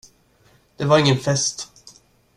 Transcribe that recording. Det var ingen fest!